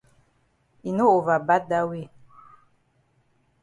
E no over bad dat way.